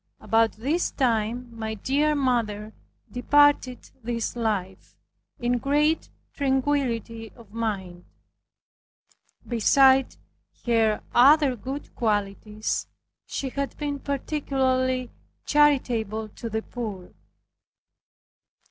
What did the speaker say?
About this time my dear mother departed this life in great tranquility of mind. Beside her other good qualities, she had been particularly charitable to the poor.